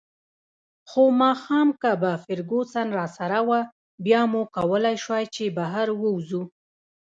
خو ماښام که به فرګوسن راسره وه، بیا مو کولای شوای چې بهر ووځو.